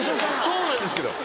そうなんですけど。